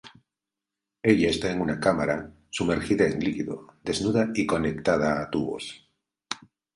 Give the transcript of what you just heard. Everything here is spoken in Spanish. Ella está en una cámara, sumergida en líquido, desnuda y conectada a tubos.